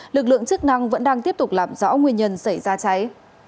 lực lượng chức năng vẫn đang tiếp tục làm rõ nguyên nhân xảy ra cháy